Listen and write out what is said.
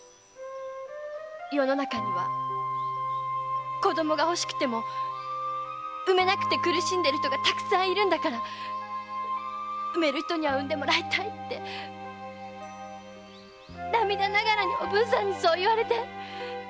世の中には子供が欲しくても産めなくて苦しんでる人がたくさんいるんだから産める人には産んでもらいたいって涙ながらにおぶんさんにそう言われて。